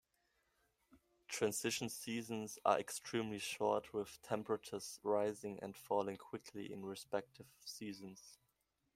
Transition seasons are extremely short, with temperatures rising and falling quickly in respective seasons.